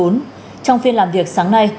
trong phiên làm việc sáng nay